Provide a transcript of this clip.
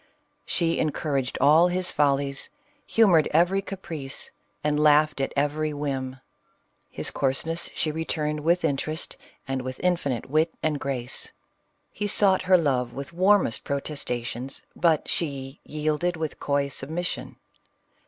She encour aged all his follies, humored every caprice, and laughed at every whim. His coarseness she returned with in terest, and with infinite wit and grace. He sought her love with warmest protestations ; but " she yielded with coy submission."